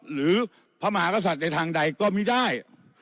หรือพระมหากษัตริย์ในทางใดก็ไม่ได้